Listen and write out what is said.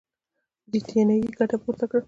برټانیې ګټه پورته کړه.